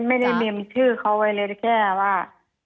ไม่ได้เมมชื่อเขาไว้เลยแค่ว่า